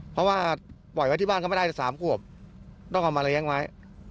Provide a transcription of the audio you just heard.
เพราะว่าปล่อยไว้ที่บ้านก็ไม่ได้แต่๓ขวบต้องเอามาเลี้ยงไว้